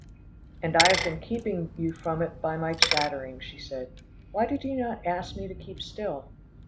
"And I have been keeping you from it by my chattering," she said. "Why did you not ask me to keep still?"